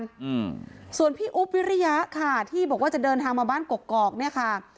อืมส่วนพี่อุ๊บวิริยะค่ะที่บอกว่าจะเดินทางมาบ้านกกอกเนี้ยค่ะ